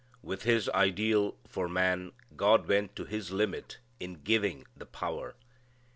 With His ideal for man God went to His limit in giving the power.